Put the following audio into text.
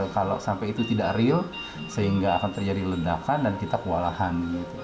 kalau sampai itu tidak real sehingga akan terjadi ledakan dan kita kewalahan